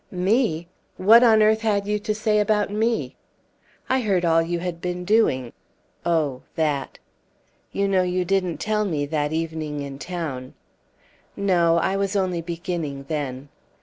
"Me! What on earth had you to say about me?" "I heard all you had been doing." "Oh, that." "You know you didn't tell me, that evening in town." "No, I was only beginning, then."